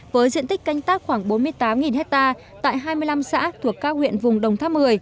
với diện tích canh tác khoảng bốn mươi tám hectare tại hai mươi năm xã thuộc các huyện vùng đồng tháp một mươi